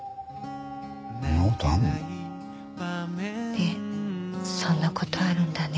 ねっそんな事あるんだね。